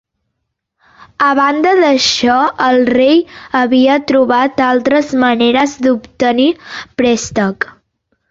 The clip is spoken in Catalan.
A banda d'això, el rei havia trobat altres maneres d'obtenir préstecs.